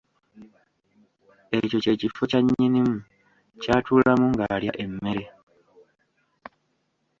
Ekyo kye kifo kya nnyinimu ky’atuulamu ng’alya emmere.